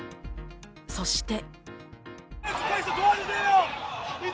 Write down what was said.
そして。